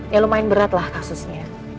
ya lumayan berat lah kasusnya